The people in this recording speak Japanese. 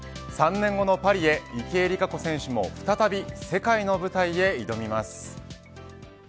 ３年後のパリへ池江璃花子選手も再び世界の舞台へ挑みます。